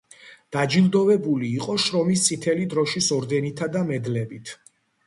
დაჯილდოვებული იყო შრომის წითელი დროშის ორდენითა და მედლებით.